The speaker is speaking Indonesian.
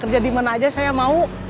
kerja di mana aja saya mau